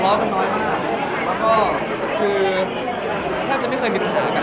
ว่ามันมีประหลาดอะไรกับเขาก่อน